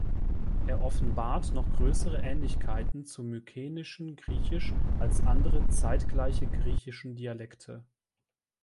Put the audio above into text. Er offenbart noch größere Ähnlichkeiten zum mykenischen Griechisch als andere, zeitgleiche griechischen Dialekte.